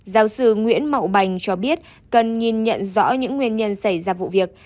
giáo sư nguyễn mậu bành cho biết cần nhìn nhận rõ những nguyên nhân xảy ra vụ việc